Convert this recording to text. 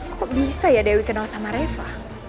kok bisa ya dewi kenal sama reva